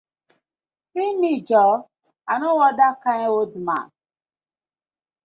Free me joor, I no wan dat kind old man.